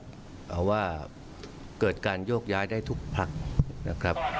เพราะว่าเกิดการโยกย้ายได้ทุกพักนะครับ